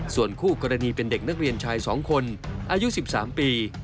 ส่วนคู่กรณีเป็นเด็กนักเรียนชาย๒คนอายุ๑๓ปี